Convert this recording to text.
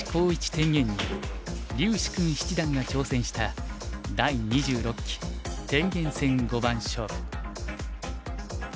天元に柳時熏七段が挑戦した第２６期天元戦五番勝負。